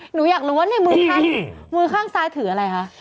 หนูอยากรู้ว่าเนี่ยมือข้างซ้ายถืออะไรฮะ